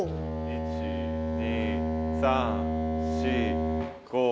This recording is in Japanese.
１２３４５６。